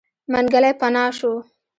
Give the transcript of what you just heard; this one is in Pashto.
منګلی پناه شو.